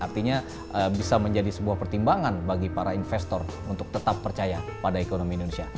artinya bisa menjadi sebuah pertimbangan bagi para investor untuk tetap percaya pada ekonomi indonesia